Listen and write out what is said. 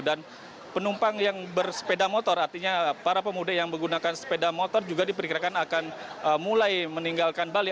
dan penumpang yang bersepeda motor artinya para pemudik yang menggunakan sepeda motor juga diperkirakan akan mulai meninggalkan bali